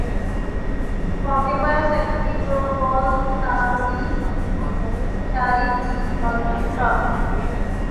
اس موقع پر secretary protocol مشاری بھی موجود تھے